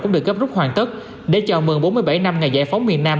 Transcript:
cũng được gấp rút hoàn tất để chào mừng bốn mươi bảy năm ngày giải phóng miền nam